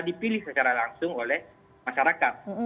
dipilih secara langsung oleh masyarakat